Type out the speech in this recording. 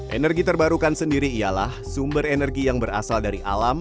energi terbarukan sendiri ialah sumber energi yang berasal dari alam